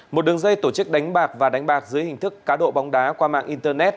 một đường dây tổ chức đánh bạc và đánh bạc dưới hình thức cá độ bóng đá qua mạng internet